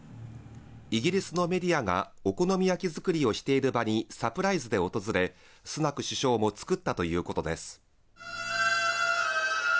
イギリスのメディアがお好み焼き作りをしている場にサプライズで訪れ、スナク首相も作ったということです。